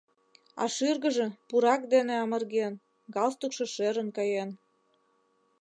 А шӱргыжӧ пурак дене амырген, галстукшо шӧрын каен.